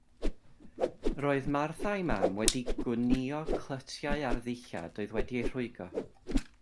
Roedd Martha a'i mam wedi gwnïo clytiau ar ddillad oedd wedi'u rhwygo.